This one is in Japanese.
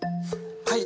はい！